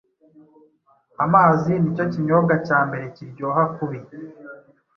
Amazi nicyo kinyobwa cyambere kiryoha kubi